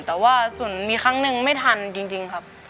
แต่ว่าส่วนมีครั้งหนึ่งไม่ทันจริงครับ